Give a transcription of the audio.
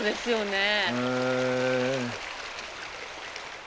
へえ。